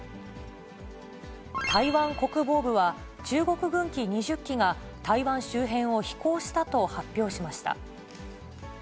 台湾国防部は、中国軍機２０機が、台湾周辺を飛行したと発表しました。